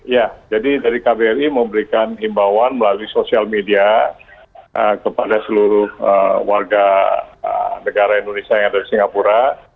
ya jadi dari kbri memberikan himbauan melalui sosial media kepada seluruh warga negara indonesia yang ada di singapura